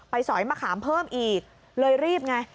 สอยมะขามเพิ่มอีกเลยรีบไง